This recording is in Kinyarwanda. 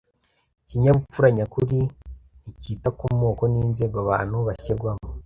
Ikinyabupfura nyakuri nticyita ku moko n’inzego abantu bashyirwamo